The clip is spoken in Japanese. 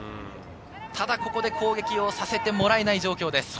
ただここで攻撃をさせてもらえない状況です。